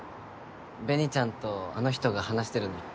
紅ちゃんとあの人が話してるの。